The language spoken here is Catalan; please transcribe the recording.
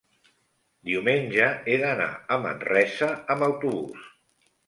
diumenge he d'anar a Manresa amb autobús.